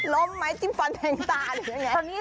ล้มไหมจิ้มฟันแทงตาหรือยังไง